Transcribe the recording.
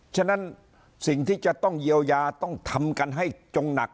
ฉะนั้นสิ่งที่จะต้องเยียวยาต้องทำกันให้จงหนัก